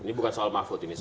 ini bukan soal mahfud ini